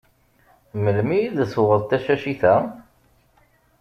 Melmi i d-tuɣeḍ tacacit-a?